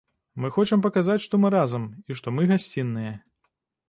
Мы хочам паказаць, што мы разам, і што мы гасцінныя.